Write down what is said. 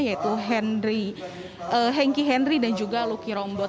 yaitu henki henry dan juga lucky rombot